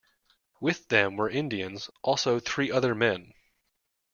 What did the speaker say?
With them were Indians, also three other men.